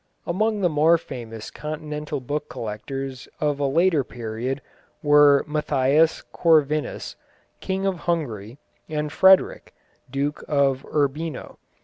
Among the more famous continental book collectors of a later period were Matthias Corvinus, King of Hungary, and Frederick, Duke of Urbino.